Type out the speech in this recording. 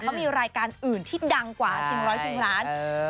เขามีรายการอื่นที่ดังกว่าชิงร้อยชิงล้าน